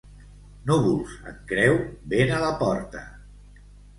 Núvols en creu, vent a la porta.